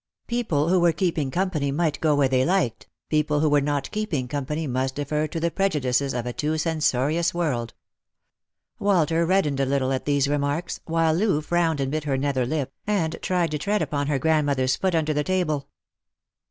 People who were keeping company might go where they liked ; people who were not keeping company must defer* to the prejudices of a too censorious world. Walter reddened a little at these remarks, while Loo frowned and bit her nether lip, and tried to tread upon her grandmother's foot under the table.